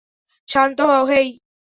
শান্ত হও, হেই।